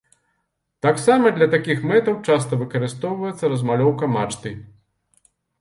Таксама для такіх мэтаў часта выкарыстоўваецца размалёўка мачты.